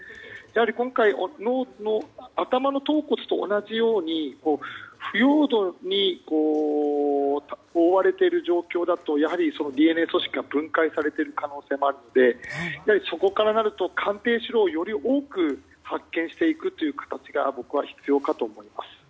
今回、頭骨と同じように腐葉土に覆われている状況だとＤＮＡ組織が分解されている可能性があるのでそこからとなると鑑定資料をより多く発見していく形が必要かと思います。